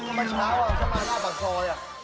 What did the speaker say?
เมื่อเช้าฉันมาหน้าปากซอยอ่ะ